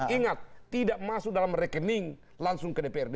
ingat tidak masuk dalam rekening langsung ke dprd